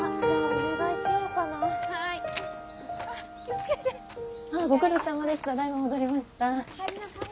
おかえりなさい。